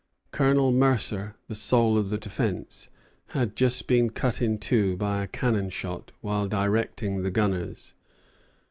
Colonel Mercer, the soul of the defence, had just been cut in two by a cannon shot while directing the gunners.